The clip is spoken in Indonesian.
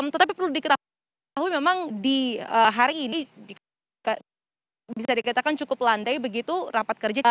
tetapi perlu diketahui memang di hari ini bisa dikatakan cukup landai begitu rapat kerja